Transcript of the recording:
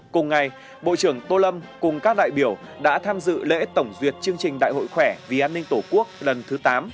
cùng ngày bộ trưởng tô lâm cùng các đại biểu đã tham dự lễ tổng duyệt chương trình đại hội khỏe vì an ninh tổ quốc lần thứ tám